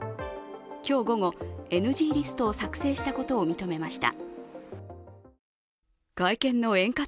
今日午後、ＮＧリストを作成したことを認めました。